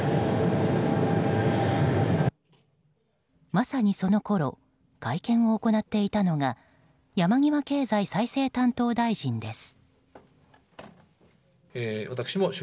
まさに、そのころ会見を行っていたのが山際経済再生担当大臣です。